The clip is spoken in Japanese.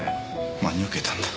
真に受けたんだ。